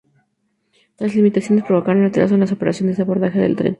Tales limitaciones provocaban retraso en las operaciones de abordaje del tren.